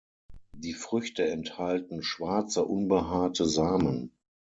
Die Früchte enthalten schwarze, unbehaarte Samen.